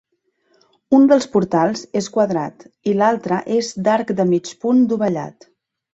Un dels portals és quadrat i l'altre és d'arc de mig punt dovellat.